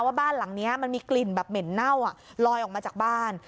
ว่าบ้านหลังนี้มันมีกลิ่นแบบเหม็นเน่าลอยออกมาจากบ้าน